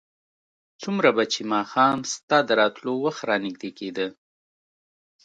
څومره به چې ماښام ستا د راتلو وخت رانږدې کېده.